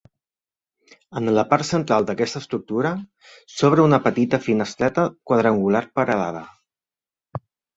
En la part central d'aquesta estructura s'obre una petita finestreta quadrangular, paredada.